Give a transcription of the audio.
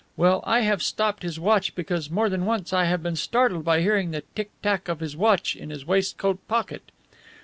Well, I have stopped his watch because more than once I have been startled by hearing the tick tack of his watch in his waistcoat pocket.